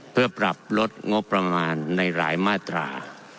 เพื่อปรับลดงบประมาณในหลายมาตรา